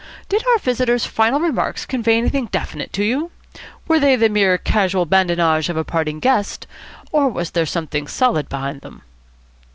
Did our visitor's final remarks convey anything definite to you? Were they the mere casual badinage of a parting guest, or was there something solid behind them?"